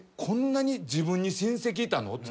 こんなに自分に親戚いたの？